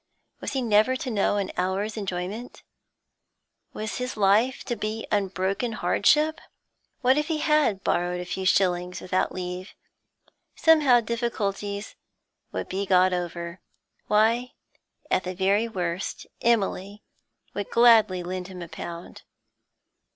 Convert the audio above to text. Was he never to know an hour's enjoyment? Was his life to be unbroken hardship? What if he had borrowed a few shillings without leave; somehow difficulties would be got over; why, at the very worst, Emily would gladly lend him a pound.